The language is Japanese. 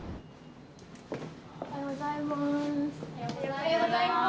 おはようございます。